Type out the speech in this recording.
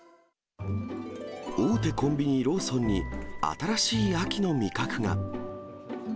大手コンビニ、ローソンに新しい秋の味覚が。